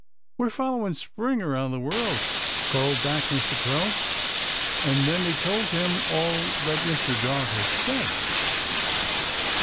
"We're following Spring around the world," called back Mr. Crow; and then they told him all that Mr. Dog had said.